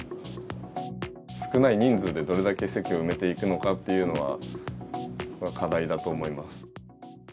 少ない人数でどれだけ席を埋めていくのかっていうのは、課題だと思います。